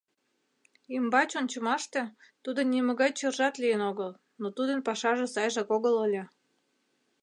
Ӱмбач ончымаште тудын нимогай чержат лийын огыл, но тудын пашаже сайжак огыл ыле.